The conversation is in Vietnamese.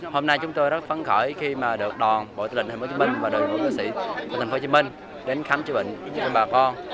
hôm nay chúng tôi rất phấn khởi khi được đoàn bộ tư lệnh tp hcm và đội ngũ sĩ tp hcm đến khám chữa bệnh cho bà con